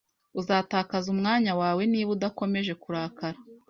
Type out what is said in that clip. Uzatakaza umwanya wawe niba udakomeje kurakara.